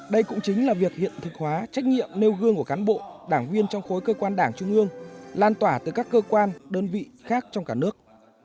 đây cũng chính là việc hiện thực hóa trách nhiệm nêu gương của cán bộ đảng viên trong khối cơ quan đảng trung ương lan tỏa từ các cơ quan đơn vị khác trong cả nước